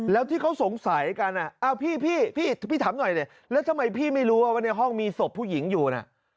แล้วที่เขาสงสัยกันพี่พี่ถามหน่อยดิแล้วทำไมพี่ไม่รู้ว่าในห้องมีศพผู้หญิงอยู่น่ะ